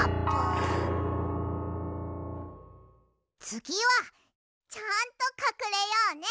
つぎはちゃんとかくれようね。